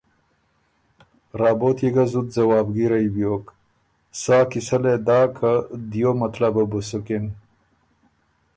رابوت يې ګۀ زُت ځواب ګیرئ بیوک سا قیصۀ لې داک که دیو مطلبه بو سُکِن،